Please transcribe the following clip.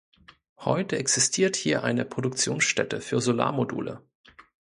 Heute existiert hier eine Produktionsstätte für Solarmodule.